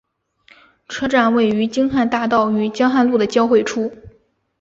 车站位于京汉大道与江汉路的交汇处。